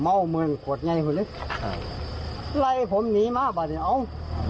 อ๋อแสดงว่านั่นนั่นที่เอาอีกคนหนึ่ง